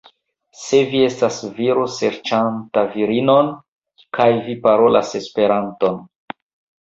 Se vi estas viro serĉanta virinon, kaj vi parolas Esperanton.